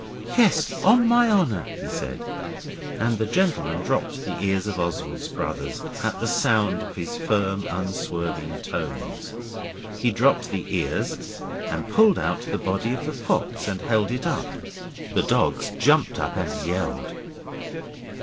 'Yes, on my honour,' he said, and the gentleman dropped the ears of Oswald's brothers at the sound of his firm, unswerving tones. He dropped the ears and pulled out the body of the fox and held it up. The dogs jumped up and yelled.